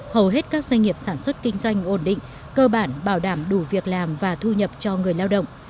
hầu hết các doanh nghiệp sản xuất kinh doanh ổn định cơ bản bảo đảm đủ việc làm và thu nhập cho người lao động